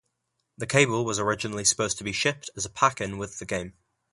The cable was originally supposed to be shipped as a pack-in with the game.